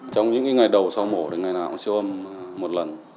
trong những ngày đầu sau mổ thì ngày nào cũng siêu âm một lần